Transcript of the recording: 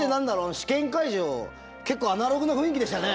試験会場結構アナログの雰囲気でしたね。